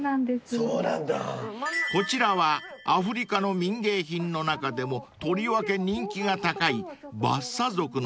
［こちらはアフリカの民芸品の中でもとりわけ人気が高い］